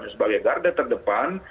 sebagai garda terdepan